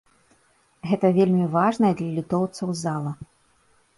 Гэта вельмі важная для літоўцаў зала.